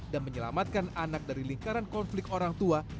dan menyelamatkan anak dari lingkaran konflik orang tua